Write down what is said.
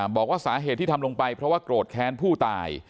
บอกว่าสาเหตุที่ทำลงไปเพราะว่าโกรธแค้นผู้ตาย